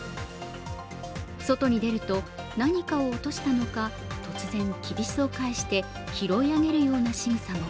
外に出ると何かを落としたのか、突然、きびすを返して拾い上げるようなしぐさも。